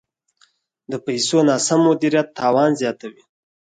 د پیسو ناسم مدیریت تاوان زیاتوي.